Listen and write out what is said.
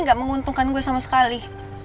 gak menguntungkan gue sama sekali